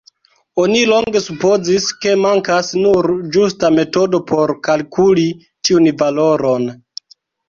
Oni longe supozis, ke mankas nur ĝusta metodo por kalkuli tiun valoron.